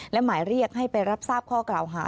และหมายเรียกให้ไปรับทราบข้อกล่าวหา